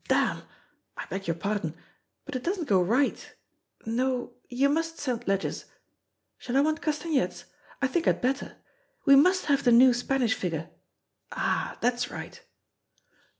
Damn I beg your pardon but it doesn't go right. No, you must send Ledgers. Shall I want castanets? I think I'd better. We must have the new Spanish figure. Ah, that is right."